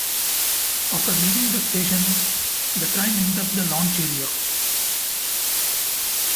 After leaving the station, the train enters the launch area.